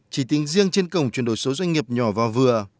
chỉ tính riêng trên cổng chuyển đổi số doanh nghiệp nhỏ và vừa